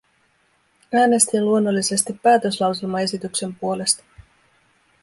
Äänestin luonnollisesti päätöslauselmaesityksen puolesta.